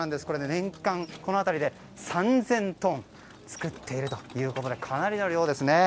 年間この辺りで３０００トン作っているということでかなりの量ですね。